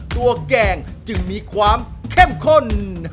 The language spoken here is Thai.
แกงจึงมีความเข้มข้น